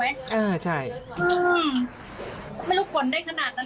เราต้องเห็นถูกไหมอืมไม่รู้กวนได้ขนาดนั้น